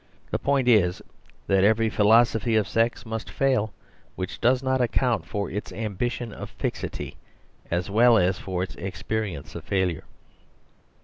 The point is that every philos ophy of sex must fail, which does not account for its ambition of fixity, as well as for its experience of failure.